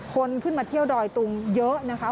คนขึ้นมาเที่ยวดอยตุงเยอะนะคะ